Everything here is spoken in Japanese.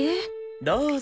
どうぞ。